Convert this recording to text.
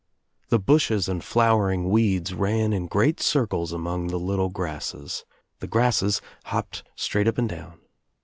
The bushes and flowering weeds ran in great » circles among the little grasses. The grasses hopped Itraight up and down.